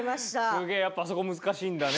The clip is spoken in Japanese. すげえやっぱあそこ難しいんだね。